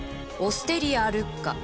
オステリアルッカ